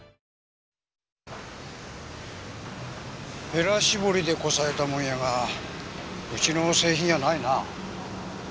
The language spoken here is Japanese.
へら絞りでこさえたもんやがうちの製品やないなあ。